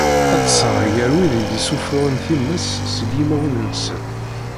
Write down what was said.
Ad ṭṭseɣ gar wid i d-issufuɣen times seg yimawen-nsen.